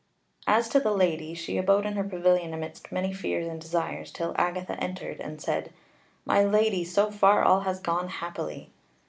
As to the Lady, she abode in her pavilion amidst many fears and desires, till Agatha entered and said: "My Lady, so far all has gone happily."